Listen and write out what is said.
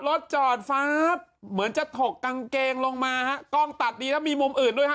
รถจอดฟ้าบเหมือนจะถกกางเกงลงมาฮะกล้องตัดดีแล้วมีมุมอื่นด้วยฮะ